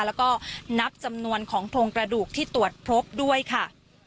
แล้วก็นับจำนวนของโครงกระดูกที่ตรวจพบด้วยค่ะ